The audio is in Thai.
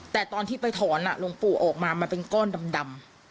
แต่ตอนที่ไปถอนหลวงปู่ออกมามันเป็นก้อนดำ